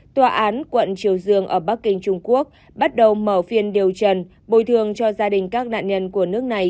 tòa án quận triều dương ở bắc kinh trung quốc bắt đầu mở phiên điều trần bồi thường cho gia đình các nạn nhân của nước này